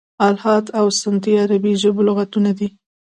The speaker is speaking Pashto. "الحاد او سنتي" عربي ژبي لغتونه دي.